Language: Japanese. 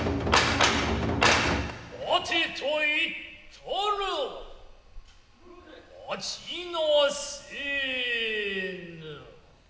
待てと言ったら待ちなせえな。